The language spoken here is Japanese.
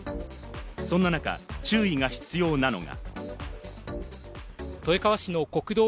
そんな中、注意が必要なのが。